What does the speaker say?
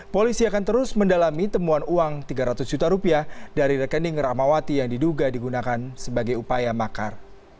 polisi akan terus mendalami temuan uang tiga ratus juta rupiah dari rekening rahmawati yang diduga digunakan sebagai upaya makar